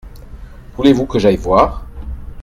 Voulez-vous que j’aille voir ?